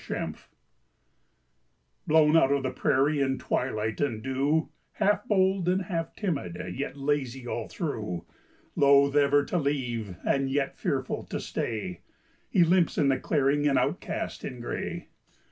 COYOTE Blown out of the prairie in twilight and dew, Half bold and half timid, yet lazy all through; Loath ever to leave, and yet fearful to stay, He limps in the clearing, an outcast in gray.